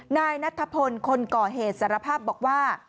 นายนัทพลคนก่อเหตุสารภาพบอกว่า